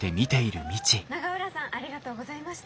「永浦さんありがとうございました」。